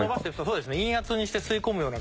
そうですね。